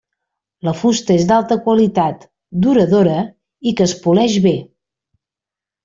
La fusta és d'alta qualitat, duradora i que es poleix bé.